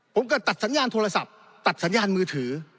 ผมเกิดตัดสัญญาณโทรศัพท์ตัดสัญญาณมือถือ